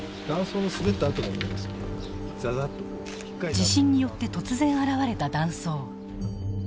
地震によって突然現れた断層。